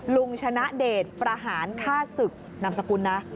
ลุงชนะเดชประหารฆ่าศึกนามสกุลนะ